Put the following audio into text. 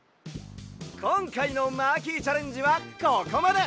こんかいのマーキーチャレンジはここまで！